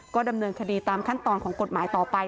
ก็ดำเนินคดีตามขั้นตอนของกฎหมายต่อไป